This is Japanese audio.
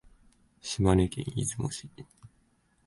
島根県出雲市